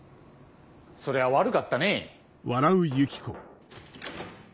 そりゃ悪かったねぇ。